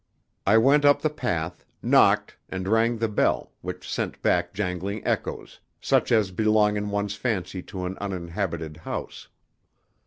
I went up the path, knocked, and rang the bell, which sent back jangling echoes, such as belong in one's fancy to an uninhabited house.